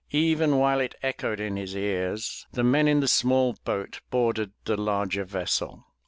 Even while it echoed in his ears, the men in the small boat boarded the larger vessel.